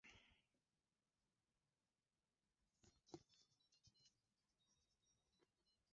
Lakini kukiwa na visababishi vya vimelea vya magonjwa mengine vifo hutokea